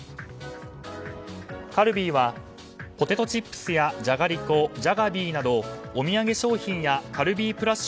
カルビーは、ポテトチップスやじゃがりこＪａｇａｂｅｅなどお土産商品やカルビープラス